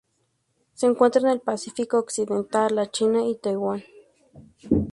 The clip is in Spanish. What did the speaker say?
Se encuentra en el Pacífico occidental: la China y Taiwán.